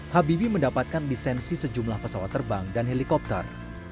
habibie mendapatkan lisensi sejumlah pesawat terbang dan helikopter